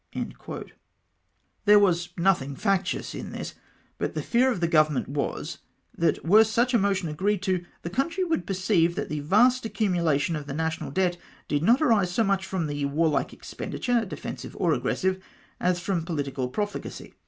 There was nothmg factious m this, but the fear of the Government was, that were such a motion agreed to, the country would perceive that the vast accumula tion of the national debt did not arise so much from warhke expenditure, defensive or aggressive, as from poHtical profligacy.